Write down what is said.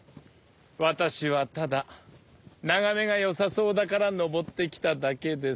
私はただ眺めが良さそうだから登ってきただけです。